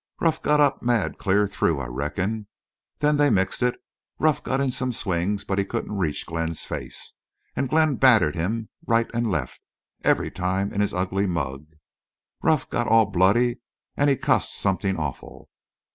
'—Ruff got up mad clear through I reckon. Then they mixed it. Ruff got in some swings, but he couldn't reach Glenn's face. An' Glenn batted him right an' left, every time in his ugly mug. Ruff got all bloody an' he cussed something awful.